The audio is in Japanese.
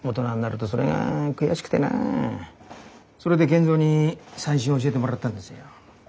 それで賢三に三線を教えてもらったんですよ。